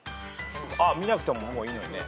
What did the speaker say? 見なくてももういいのにね。